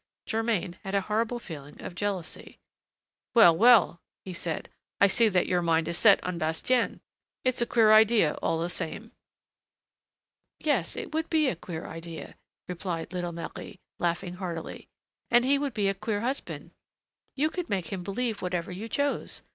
Germain had a horrible feeling of jealousy. "Well, well," he said, "I see that your mind is set on Bastien. It's a queer idea, all the same!" "Yes, it would be a queer idea," replied little Marie, laughing heartily, "and he would be a queer husband. You could make him believe whatever you chose.